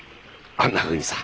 あんなふうにさ。